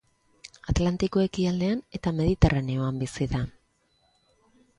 Atlantiko ekialdean eta Mediterraneoan bizi da.